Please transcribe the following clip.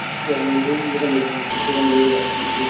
যেখান দিয়ে ট্রেন যায়, সেখানের ব্যারিকেডে আটকে গিয়েছিলাম।